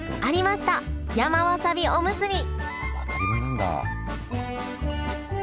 当たり前なんだ。